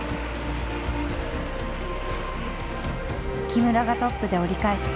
木村がトップで折り返す。